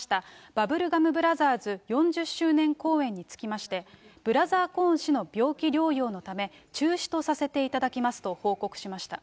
バブルガムブラザーズ４０周年公演につきまして、ブラザー・コーン氏の病気療養のため、中止とさせていただきますと報告しました。